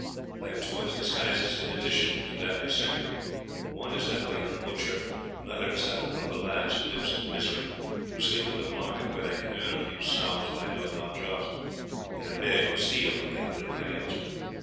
I have two other disguises in addition to that I sent you; one is that of a young butcher, another is that of one of the lads who live in misery, who sleep at the market where they can earn a few sous by doing odd jobs, and beg or steal when they can do nothing else.